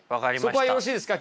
そこはよろしいですか